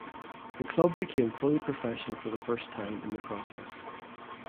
The club became fully professional for the first time in the process.